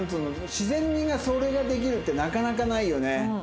自然にそれができるってなかなかないよね。